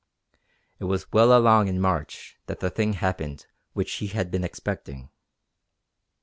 It was well along in March that the thing happened which he had been expecting.